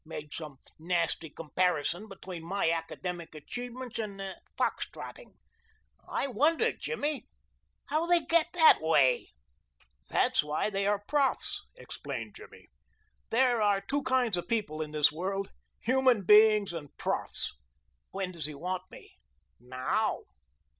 Made some nasty comparison between my academic achievements and foxtrotting. I wonder, Jimmy, how they get that way?" "That's why they are profs," explained Jimmy. "There are two kinds of people in this world human beings and profs. When does he want me?" "Now."